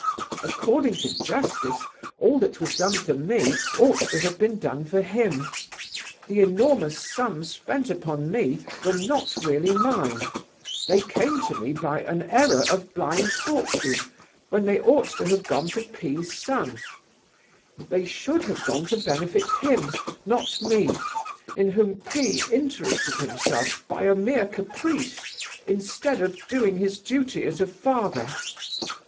According to justice, all that was done for me ought to have been done for him. The enormous sums spent upon me were not really mine; they came to me by an error of blind Fortune, when they ought to have gone to P——'s son. They should have gone to benefit him, not me, in whom P—— interested himself by a mere caprice, instead of doing his duty as a father.